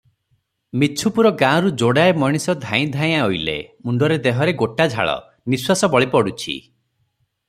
ମିଛୁପୁର ଗାଁରୁ ଯୋଡ଼ାଏ ମଣିଷ ଧାଇଁ ଧାଇଁ ଅଇଲେ, ମୁଣ୍ଡରେ ଦେହରେ ଗୋଟାଝାଳ, ନିଶ୍ୱାସ ବଳି ପଡ଼ୁଛି ।